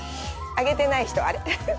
あげてない人、あれっ？